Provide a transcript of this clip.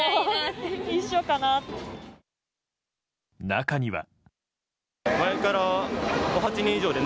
中には。